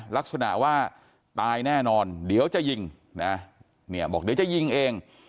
ลักษณะว่าตายแน่นอนเดี๋ยวจะยิงนะเนี่ยบอกเดี๋ยวจะยิงเอง